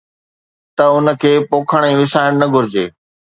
ته ان کي پوکڻ ۽ وسائڻ نه گهرجي